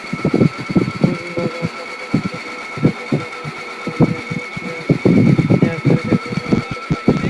পুঁজিবাজারে তালিকাভুক্ত বিমা খাতের কোম্পানি পাইওনিয়ার ইনস্যুরেন্স শেয়ারধারীদের জন্য লভ্যাংশ ঘোষণা করেছে।